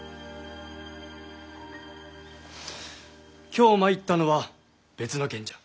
今日参ったのは別の件じゃ。